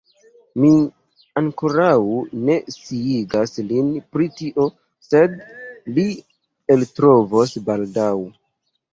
Mi ankoraŭ ne sciigas lin pri tio sed li eltrovos baldaŭ